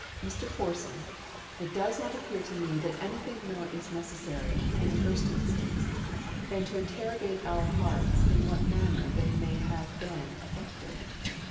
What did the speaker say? Southey. Mr. Porson, it does not appear to me that anything more is necessary, in the first instance, than to interrogate our hearts in what manner they have been affected.